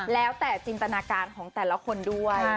แล้วแต่จินตนาการของแต่ละคนด้วย